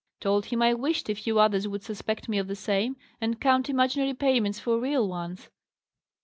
"Told him I wished a few others would suspect me of the same, and count imaginary payments for real ones."